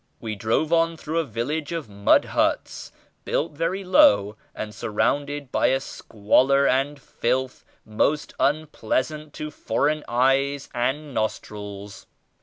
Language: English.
We drove on through a village of mud huts built very low and surrounded by a squalor and filth most unpleasant to foreign eyes and nos trils.